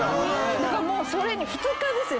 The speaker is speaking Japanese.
だからもうそれ２日ですよ。